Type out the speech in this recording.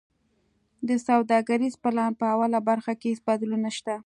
د سوداګریز پلان په اوله برخه کی هیڅ بدلون نشته.